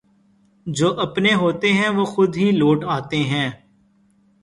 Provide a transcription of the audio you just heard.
جواپنے ہوتے ہیں وہ خودہی لوٹ آتے ہیں